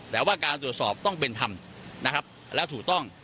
แต่ว่าการตรวจสอบต้องเป็นธรรมนะครับแล้วถูกต้อง